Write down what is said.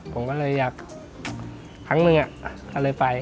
ผมก็เลยอยากครั้งนึงก็เลยไป